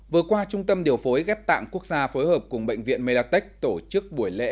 vừa qua trung tâm điều phối ghép tạng quốc gia phối hợp cùng bệnh viện medatech tổ chức buổi lễ